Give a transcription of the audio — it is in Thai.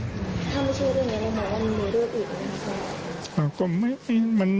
ถ้าไม่ใช่เรื่องนี้แล้วมีเรื่องอื่นไหม